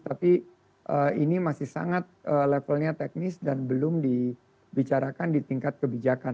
tapi ini masih sangat levelnya teknis dan belum dibicarakan di tingkat kebijakan